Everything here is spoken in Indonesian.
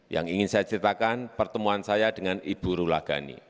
yang ingin saya ceritakan pertemuan saya dengan ibu rula ghani